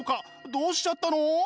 どうしちゃったの？